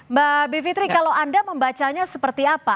mbak bivitri kalau anda membacanya seperti apa